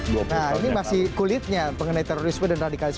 nah ini masih kulitnya mengenai terorisme dan radikalisme